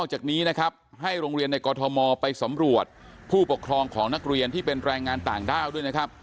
พอจากนี้นะครับให้โรงเรียนกฎธมไปสำรวจผู้ปกครองณเรียนที่เป็นแรงงานต่างด้าด้วย